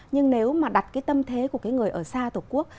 nhưng nếu mà đặt cái tâm thế của cái người ở xa tổ quốc